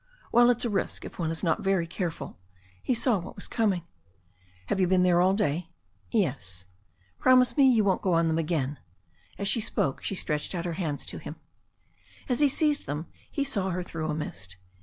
"Well, it's a risk if one is not very careful." He saw what was coming. "Have you been there all day?" "Yes." "Promise me you won't go on them again." As she spoke she stretched out her hands to him. As he seized them he saw her through a mist.